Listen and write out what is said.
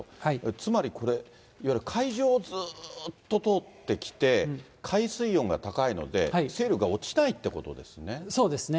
つまりこれ、いわゆる海上をずっと通ってきて、海水温が高いので、勢力が落ちないということですね。